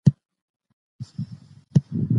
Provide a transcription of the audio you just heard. څېړنه د پوهي د ترلاسه کولو لاره ده.